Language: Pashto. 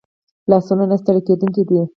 لاسونه نه ستړي کېدونکي دي